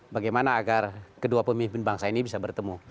bagaimana agar kedua pemimpin bangsa ini bisa bertemu